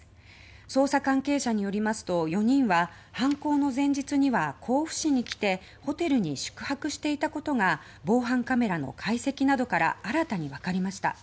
捜査関係者によりますと４人は犯行の前日には甲府市に来てホテルに宿泊していたことが防犯カメラの解析などから新たにわかりました。